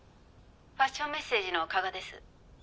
ファッションメッセージの加賀です。